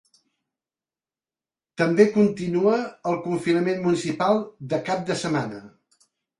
També continua el confinament municipal de cap de setmana.